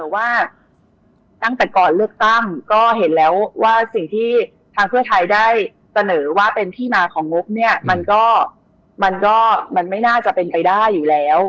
แต่ว่าตั้งแต่ก่อนเลือกตั้งก็เห็นแล้วว่าสิ่งที่ทางเพื่อไทยได้เสนอว่าเป็นที่มาของงบเนี่ยมันก็มันก็มันไม่น่าจะเป็นไปได้อยู่แล้ว